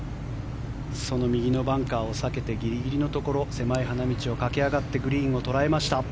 その右のバンカーを避けてギリギリのところ狭い花道を駆け上がってグリーンを捉えました。